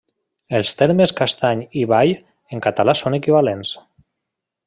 Els termes castany i bai en català són equivalents.